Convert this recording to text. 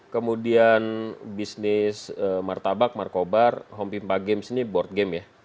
kemudian bisnis martabak markobar home pimpa games ini board game ya